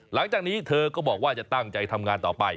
หลังจากนี้เธอก็บอกว่าจะตั้งใจทำงานต่อไป